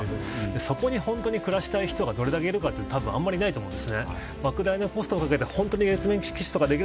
そこに本当に暮らしたい人がどれだけいるかってたぶん、あまりいないと思うんです。